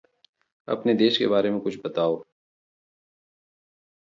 अपने देश के बारे में कुछ बताओ।